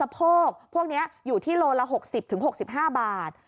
โพกพวกนี้อยู่ที่โลละ๖๐๖๕บาท